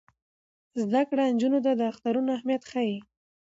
زده کړه نجونو ته د اخترونو اهمیت ښيي.